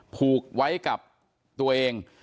ผูกไว้กับตัวเอง